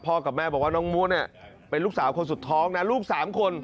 กับแม่บอกว่าน้องมู้เนี่ยเป็นลูกสาวคนสุดท้องนะลูก๓คน